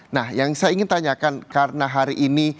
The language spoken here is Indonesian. nah yang saya ingin tanyakan karena hari ini